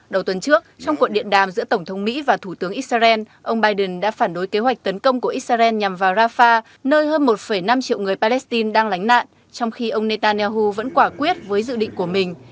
đầu tuần trước trong cuộc điện đàm giữa tổng thống mỹ và thủ tướng israel ông biden đã phản đối kế hoạch tấn công của israel nhằm vào rafah nơi hơn một năm triệu người palestine đang lánh nạn trong khi ông netanyahu vẫn quả quyết với dự định của mình